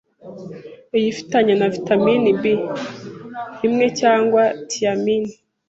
iyifitanya na vitamin B rimwe cg thiamine